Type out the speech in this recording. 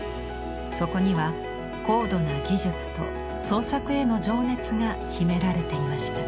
そこには高度な技術と創作への情熱が秘められていました。